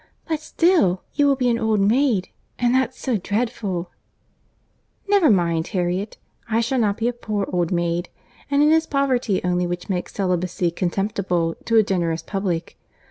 "But still, you will be an old maid! and that's so dreadful!" "Never mind, Harriet, I shall not be a poor old maid; and it is poverty only which makes celibacy contemptible to a generous public!